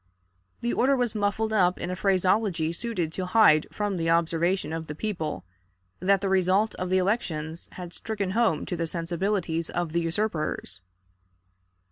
The order was muffled up in a phraseology suited to hide from the observation of the people that the result of the elections had stricken home to the sensibilities of the usurpers.